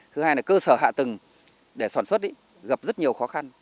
thứ hai là cơ sở hạ tầng để sản xuất gặp rất nhiều khó khăn